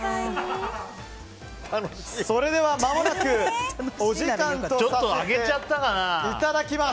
それでは、まもなくお時間とさせていただきます。